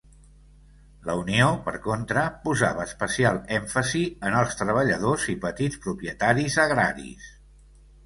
La Unió, per contra, posava especial èmfasi en els treballadors i petits propietaris agraris.